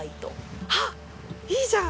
あっいいじゃん！